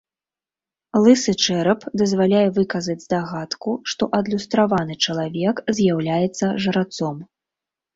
Лысы чэрап дазваляе выказаць здагадку, што адлюстраваны чалавек з'яўляецца жрацом.